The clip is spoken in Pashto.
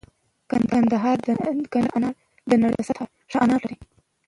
کندهار انار د نړۍ په سطحه ښه انار لري